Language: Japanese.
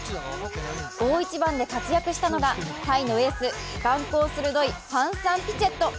大一番で活躍したのが、タイのエース眼光鋭い、パンサン・ピチェット。